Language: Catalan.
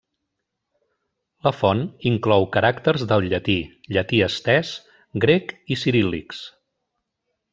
La font inclou caràcters del llatí, Llatí estès, Grec, i Ciríl·lics.